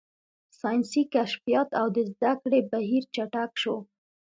ساینسي کشفیات او د زده کړې بهیر چټک شو.